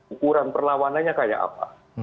ukuran perlawanannya kayak apa